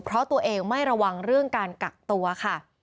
เพราะตัวเองไม่ระวังเรื่องการกักตัวค่ะ